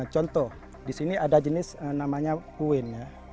contoh disini ada jenis namanya kuin